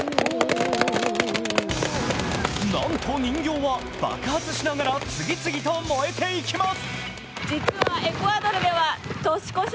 なんと人形は爆発しながら次々と燃えていきます。